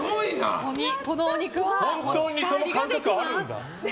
このお肉は持ち帰りができます。